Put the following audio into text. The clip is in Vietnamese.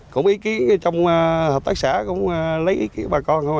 cũng ý kiến trong hợp tác xã cũng lấy ý kiến bà con thôi